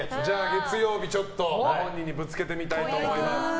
月曜日、ご本人にぶつけてみたいと思います。